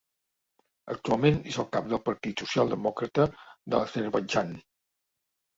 Actualment és el cap del Partit Socialdemòcrata de l'Azerbaidjan.